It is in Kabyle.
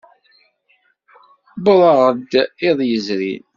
Uwḍeɣ-d iḍ yezrin.